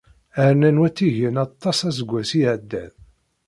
Rnan watigen aṭas aseggas iɛeddan.